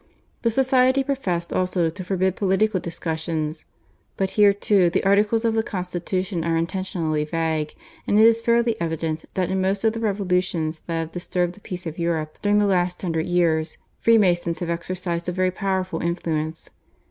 The society professed also to forbid political discussions, but here too the articles of the constitution are intentionally vague, and it is fairly evident that in most of the revolutions that have disturbed the peace of Europe during the last hundred years Freemasons have exercised a very powerful influence.